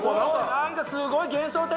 なんかすごい幻想的！